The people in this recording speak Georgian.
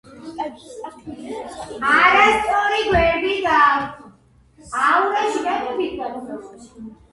წარმოადგენს ტასმანის ზღვის მკლავს და შეჭრილია კუკის სრუტის სამხრეთ-დასავლეთით და ტასმანის უბის დასავლეთით.